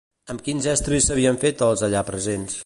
Amb quins estris s'havien fet els allà presents?